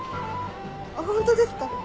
ホントですか？